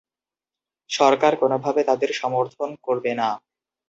সরকার কোনোভাবে তাদের সমর্থন করবে না।